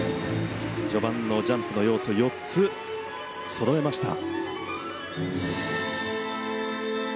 序盤のジャンプの要素４つそろえました。